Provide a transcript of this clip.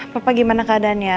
papa gimana keadaannya